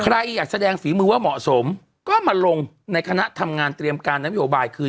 ใครอยากแสดงฝีมือว่าเหมาะสมก็มาลงในคณะทำงานเตรียมการนโยบายคืน